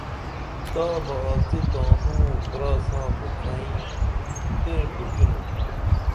تابہ آڅی تانوں برا ساں مُکھئیں تیں ڈوکینُن